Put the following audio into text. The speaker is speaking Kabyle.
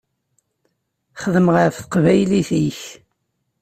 Xdem ɣef teqbaylit-ik.